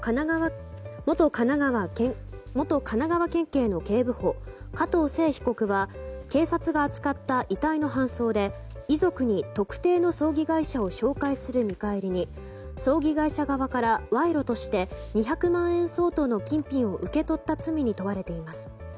元神奈川県警の警部補加藤聖被告は警察が扱った遺体の搬送で遺族に特定の葬儀会社を紹介する見返りに葬儀会社側から賄賂として２００万円相当の金品を受け取った罪に問われています。